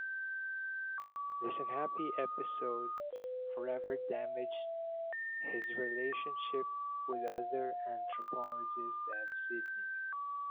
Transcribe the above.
This unhappy episode forever damaged his relationship with other anthropologists at Sydney.